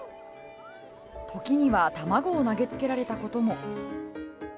時には卵を投げつけられたことも。